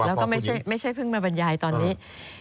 แล้วก็ไม่ใช่เพิ่งมาบรรยายตอนนี้